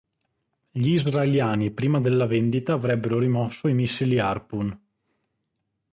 Gli israeliani prima della vendita avrebbero rimosso i missili Harpoon.